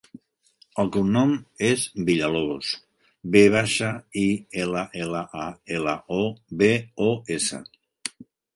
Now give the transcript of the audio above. El cognom és Villalobos: ve baixa, i, ela, ela, a, ela, o, be, o, essa.